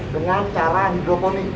dengan cara hidroponik